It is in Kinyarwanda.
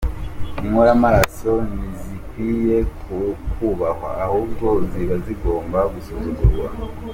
Inkoramaraso ntizikwiye kubahwa, ahubwo ziba zigomba gusuzugurwa.